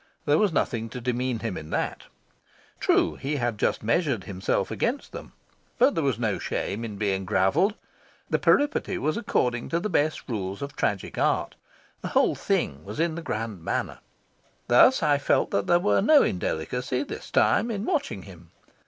There was nothing to demean him in that. True, he had just measured himself against them. But there was no shame in being gravelled. The peripety was according to the best rules of tragic art. The whole thing was in the grand manner. Thus I felt that there were no indelicacy, this time, in watching him.